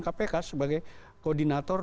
kpk sebagai koordinator